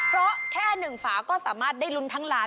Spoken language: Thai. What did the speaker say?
เพราะแค่๑ฝาก็สามารถได้ลุ้นทั้งลาย